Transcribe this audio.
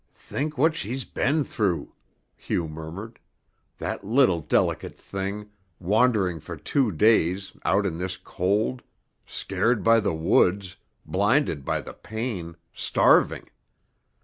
"Think what she's been through," Hugh murmured, "that little delicate thing, wandering for two days, out in this cold scared by the woods, blinded by the pain, starving.